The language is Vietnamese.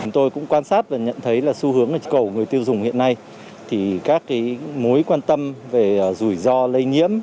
tôi cũng quan sát và nhận thấy là xu hướng của người tiêu dùng hiện nay thì các cái mối quan tâm về rủi ro lây nhiễm